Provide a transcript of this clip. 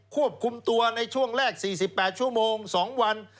ควบคุมตัวในช่วงแรก๔๘ชั่วโมง๒วัน